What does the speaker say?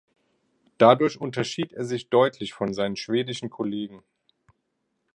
Dadurch unterschied er sich deutlich von seinen schwedischen Kollegen.